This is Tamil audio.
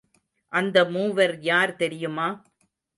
அந்த மூவர் யார் தெரியுமா?